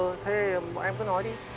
ừ ừ thế bọn em cứ nói đi